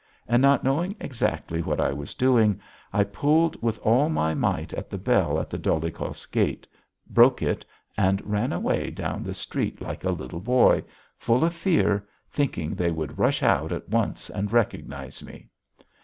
And not knowing exactly what I was doing I pulled with all my might at the bell at the Dolyhikovs' gate, broke it, and ran away down the street like a little boy, full of fear, thinking they would rush out at once and recognise me.